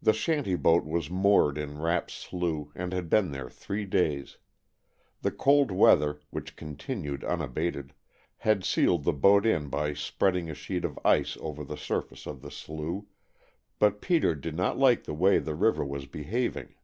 The shanty boat was moored in Rapp's slough, and had been there three days. The cold weather, which continued unabated, had sealed the boat in by spreading a sheet of ice over the surface of the slough, but Peter did not like the way the river was behaving.